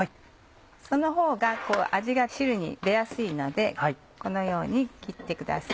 そのほうが味が汁に出やすいのでこのように切ってください。